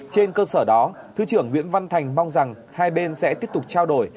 trên cơ sở đó thứ trưởng nguyễn văn thành mong rằng hai bên sẽ tiếp tục trao đổi